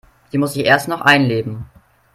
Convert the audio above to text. Sie muss sich erst noch einleben.